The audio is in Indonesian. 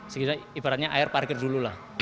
sekitar ibaratnya air parkir dulu lah